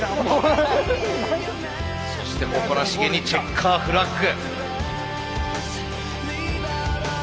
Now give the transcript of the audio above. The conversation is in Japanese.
そして誇らしげにチェッカーフラッグ。